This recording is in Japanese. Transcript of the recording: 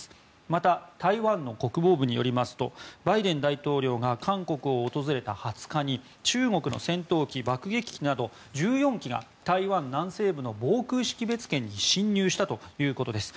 また台湾の国防部によりますとバイデン大統領が韓国を訪れた２０日に中国の戦闘機・爆撃機など１４機が台湾南西部の防空識別圏に進入したということです。